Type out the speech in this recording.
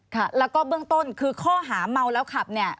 ค่ะแล้วก็เบื้องต้นคือข้อหาเมาแล้วขับเนี่ย